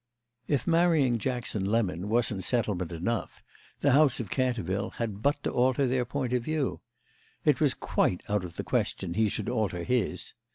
If marrying Jackson Lemon wasn't settlement enough the house of Canterville had but to alter their point of view. It was quite out of the question he should alter his.